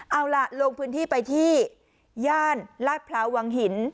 เอาล่ะลงพื้นที่ไปที่ย่านลาดพร้าววังหิน